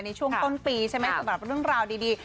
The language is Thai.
ในช่วงต้นปีใช่ไหมสำหรับเรื่องราวดี